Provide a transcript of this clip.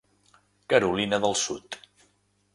Carolina del Sud.